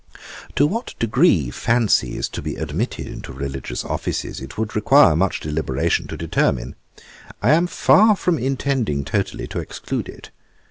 'To what degree fancy is to be admitted into religious offices, it would require much deliberation to determine. I am far from intending totally to exclude it.